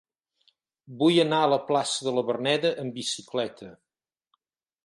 Vull anar a la plaça de la Verneda amb bicicleta.